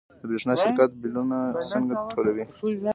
د برښنا شرکت بیلونه څنګه ټولوي؟